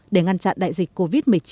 để ngăn chặn đại dịch covid một mươi chín